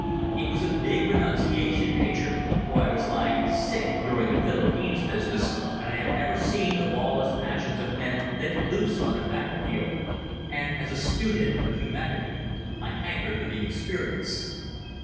It was a big renunciation, Major, for I was lying sick during the Philippines business, and I have never seen the lawless passions of men let loose on a battlefield. And, as a stoodent of humanity, I hankered for the experience."